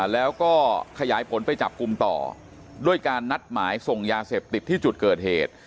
แล้วก็ขยายผลไปจับกลุ่มต่อด้วยการนัดหมายส่งยาเสพติดที่จุดเกิดเหตุ